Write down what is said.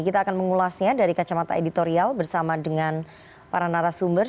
kita akan mengulasnya dari kacamata editorial bersama dengan para narasumber